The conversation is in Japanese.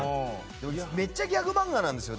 めっちゃギャグマンガなんですよ